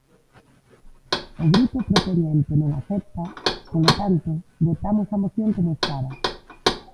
O grupo propoñente non acepta; polo tanto, votamos a moción como estaba.